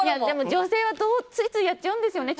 女性はついついやっちゃうんですよね